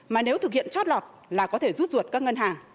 mà nếu thực hiện chót lọt là có thể dùng